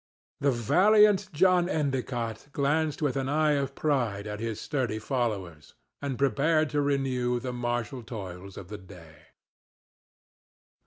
The valiant John Endicott glanced with an eye of pride at his sturdy followers, and prepared to renew the martial toils of the day.